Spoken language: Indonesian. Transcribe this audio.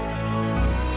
kau mau bertanya